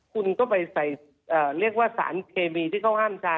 คุณก็ไปใส่ซ้านเคมีที่เขาก็ห้ามใช้